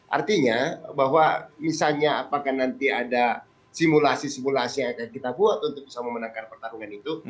artinya bahwa misalnya apakah nanti ada simulasi simulasi yang akan kita buat untuk bisa memenangkan pertarungan itu